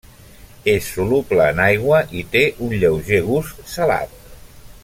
És soluble en aigua i té un lleuger gust salat.